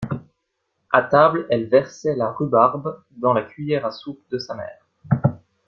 A table, elle versait la rhubarbe dans la cuiller à soupe de sa mère.